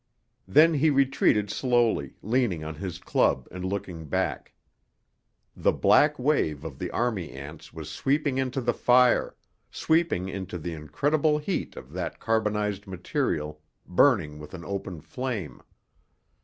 Then he retreated slowly, leaning on his club and looking back. The black wave of the army ants was sweeping into the fire, sweeping into the incredible heat of that carbonized material burning with an open flame.